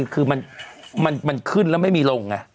คือมันขึ้นแล้วไม่มีลงไง